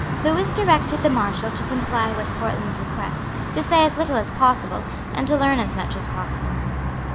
Lewis directed the Marshal to comply with Portland's request, to say as little as possible, and to learn as much as possible.